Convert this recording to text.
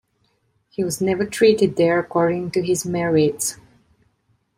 He was never treated there according to his merits.